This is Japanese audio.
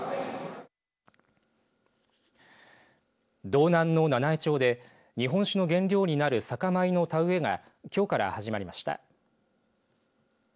道南の七飯町で日本酒の原料になる酒米の田植えがきょうから始まりました。